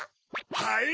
はい！